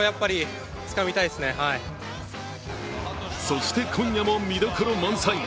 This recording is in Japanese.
そして、今夜も見どころ満載。